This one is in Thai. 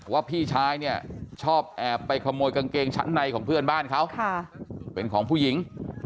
พี่ชายเนี่ยชอบแอบไปขโมยกางเกงชั้นในของเพื่อนบ้านเขาเป็นของผู้หญิง